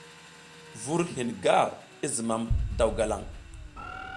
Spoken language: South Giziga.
Vur hin gar i zimam daw galang.